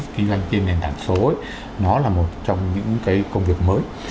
kinh doanh trên nền tảng số ấy nó là một trong những cái công việc mới